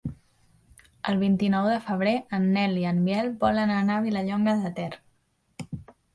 El vint-i-nou de febrer en Nel i en Biel volen anar a Vilallonga de Ter.